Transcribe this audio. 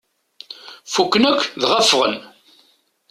Fukken akk, dɣa ffɣen.